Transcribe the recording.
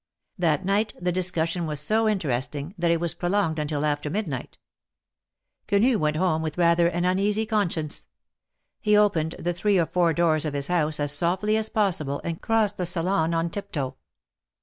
That night the discussion was so interesting that it was prolonged until after midnight. Quenu went home with rather an uneasy conscience. He opened the three or four doors of his house as softly as possible, and crossed the salon on tiptoe.